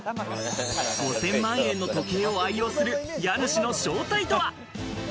５０００万円の時計を愛用する家主の正体とは？